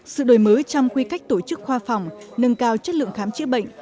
sự đổi mới trong quy cách tổ chức khoa phòng nâng cao chất lượng khám chữa bệnh